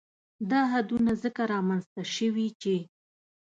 دا حدونه ځکه رامنځ ته شوي چې